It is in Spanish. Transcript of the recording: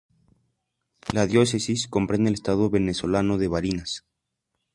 La diócesis comprende el estado venezolano de Barinas.